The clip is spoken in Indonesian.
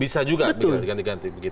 bisa juga diganti ganti